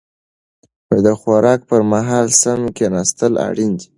د خوراک پر مهال سم کيناستل اړين دي.